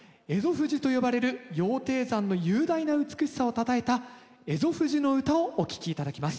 富士と呼ばれる羊蹄山の雄大な美しさをたたえた「蝦夷富士の唄」をお聴き頂きます。